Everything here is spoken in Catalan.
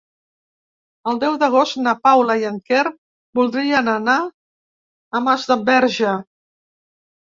El deu d'agost na Paula i en Quer voldrien anar a Masdenverge.